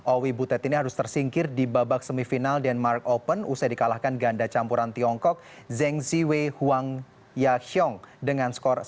owi butet ini harus tersingkir di babak semifinal denmark open usai dikalahkan ganda campuran tiongkok zhengziwei huang yaxiong dengan skor sebelas dua puluh satu dua satu sembilan belas dan tujuh belas dua puluh satu